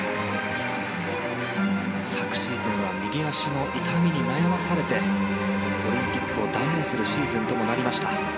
昨シーズンは右足の痛みに悩まされてオリンピックを断念するシーズンとなりました。